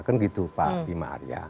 kan gitu pak bima arya